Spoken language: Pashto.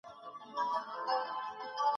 د یو بل حقوق وپیژنئ.